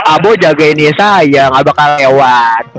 abo jagain yesayah gak bakal lewat